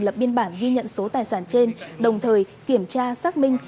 lập biên bản ghi nhận số tài sản trên đồng thời kiểm tra xác minh